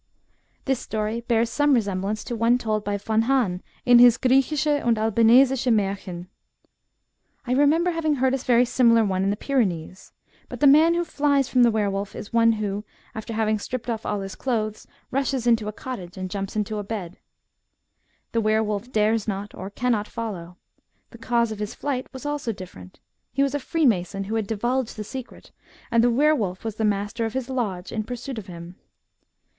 This story bears some resemblance to one told by Von Hahn in his Griechische und Albanesiscke Mdrchen ; I remember having heard a very similar one in the Pyrenees ; but the man who flies from the were FOLK LORE RELATING TO WBRE WOLVES. 129 wolf is one who, after having stripped off all his clothes, rashes into a cottage and jumps into a bed. The were wolf dares not, or cannot, follow. The cause of his flight was also different. He was a freemason who had divulged the secret, and the were wolf was the master of his lodge in pursuit of him.